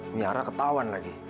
niara ketahuan lagi